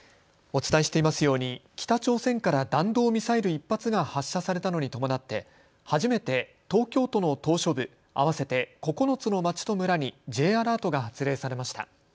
お伝えしていますように北朝鮮から弾道ミサイル１発が発射されたのに伴って初めて東京都の島しょ部合わせて９つの町と村にＪアラートが発令されました。